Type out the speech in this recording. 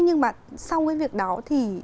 nhưng mà sau cái việc đó thì